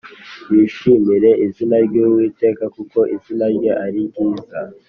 Bishimire izina ry Uwiteka Kuko izina rye ari ryiza